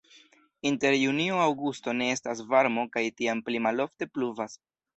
Inter junio-aŭgusto ne estas varmo kaj tiam pli malofte pluvas.